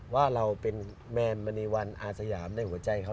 ว่าเราเป็นแมนมณีวันอาสยามในหัวใจเขา